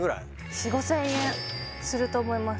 ４０００５０００円すると思います